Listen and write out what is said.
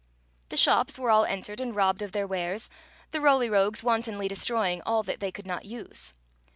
The shops were all entered and robbed of their wares, the Roly Rogues wantonly destroying all that they could not use.